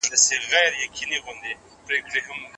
دواړه بايد د شکر په نيت نفل لمونځ وکړي.